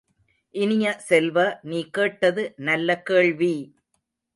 இனிய செல்வ, நீ கேட்டது நல்ல கேள்வி!